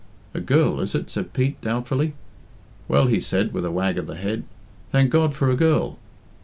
"A girl, is it?" said Pete doubtfully. "Well," he said, with a wag of the head, "thank God for a girl."